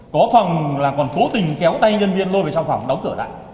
có phòng là còn cố tình kéo tay nhân viên lôi về trong phòng đóng cửa lại